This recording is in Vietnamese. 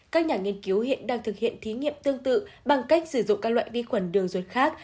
các nhà nghiên cứu hiện đang thực hiện thí nghiệm tương tự bằng cách sử dụng các loại vi khuẩn đường ruột khác